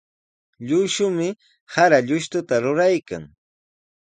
Llushumi sara llushtuta ruraykan.